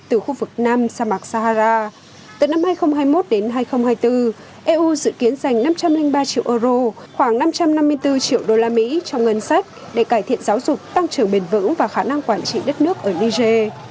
từ khu vực nam sa mạc sahara từ năm hai nghìn hai mươi một đến hai nghìn hai mươi bốn eu dự kiến dành năm trăm linh ba triệu euro khoảng năm trăm năm mươi bốn triệu usd trong ngân sách để cải thiện giáo dục tăng trưởng bền vững và khả năng quản trị đất nước ở niger